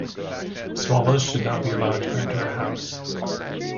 Swallows should not be allowed to enter a house.